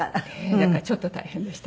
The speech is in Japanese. だからちょっと大変でした。